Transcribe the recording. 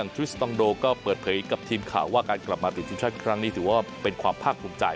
ทริสตองโดก็เปิดเผยกับทีมข่าวว่าการกลับมาติดทีมชาติครั้งนี้ถือว่าเป็นความภาคภูมิใจ